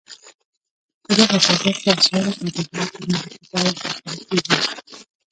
په دغه بازار کې اسعارو تبادله په نغدي ډول ترسره کېږي.